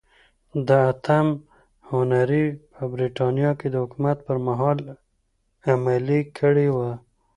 د اتم هنري په برېټانیا کې د حکومت پرمهال عملي کړې وه.